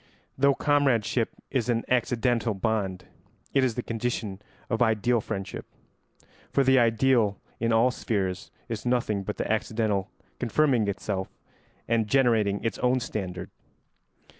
] Though comradeship is an accidental bond, it is the condition of ideal friendship, for the ideal, in all spheres, is nothing but the accidental confirming itself and generating its own standard.